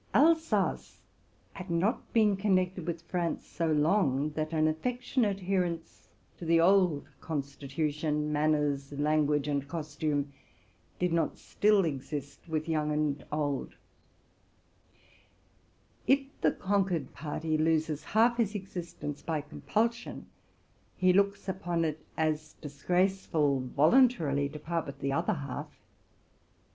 Alsace had not been connected with France so long that an affectionate adherence to the old constitution, manners, language, and costume did not still exist with old and young. If the conquered party loses half his existence by compulsion, he looks upon it as disgraceful voluntarily to part with the other half.